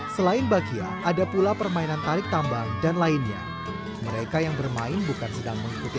selain bakia ada pula permainan tarik tambang dan lainnya mereka yang bermain bukan sedang mengikuti